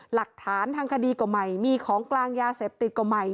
หลักฐานทางคดีก็ใหม่มีของกลางยาเสพติดก็ใหม่